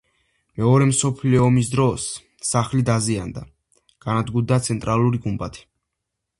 მეორე მსოფლიო ომის დროს სახლი დაზიანდა, განადგურდა ცენტრალური გუმბათი.